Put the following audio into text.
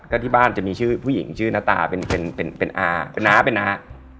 ก็ที่บ้านจะมีผู้หญิงชื่อนาตาเป็นอาเป็นนา